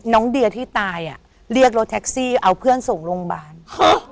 น้องเดียที่ตายอ่ะเรียกรถแท็กซี่เอาเพื่อนส่งโรงพยาบาลฮะ